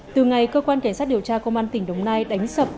từ ngày cơ quan cảnh sát điều tra công an tỉnh đồng nai đánh sập